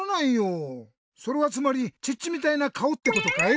それはつまりチッチみたいなかおってことかい？